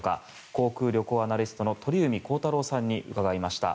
航空・旅行アナリストの鳥海高太朗さんに伺いました。